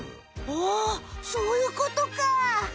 ほうそういうことか！